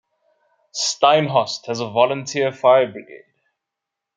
Steinhorst has a volunteer fire-brigade.